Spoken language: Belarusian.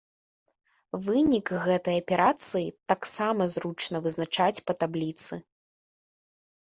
Вынік гэтай аперацыі таксама зручна вызначаць па табліцы.